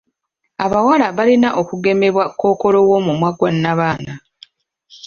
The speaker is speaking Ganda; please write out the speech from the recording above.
Abawala balina okugemebwa kkookolo w'omumwa gwa nnabaana.